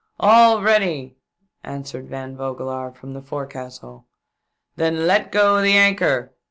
" All ready !" answered Van Vogelaar from the forecastle. " Then let go the anchor